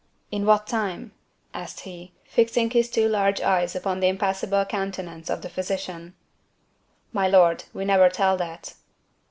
"In what time?" asked he, fixing his two large eyes upon the impassible countenance of the physician. "My lord, we never tell that."